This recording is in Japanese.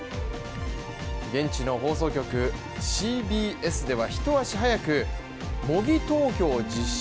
現地の放送局ＣＢＳでは一足早く、模擬投票を実施